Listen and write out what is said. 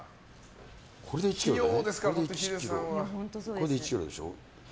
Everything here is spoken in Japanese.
これで１ｋｇでしょ。